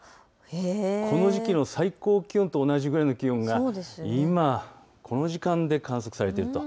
この時期の最高気温と同じぐらいの気温が今、この時間で観測されていると。